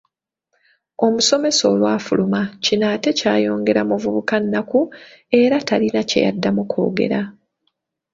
Omusomesa olwafuluma Kino ate kyayongera muvubuka nnaku era talina kyeyaddamu kwogera.